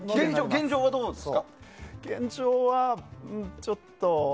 現状はちょっと。